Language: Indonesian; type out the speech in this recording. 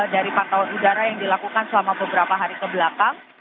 dari pantauan udara yang dilakukan selama beberapa hari kebelakang